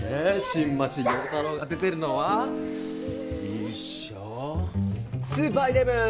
新町亮太郎が出てるのはスーパーイレブン２０１１